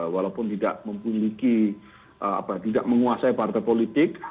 walaupun tidak memiliki apa tidak menguasai partai politik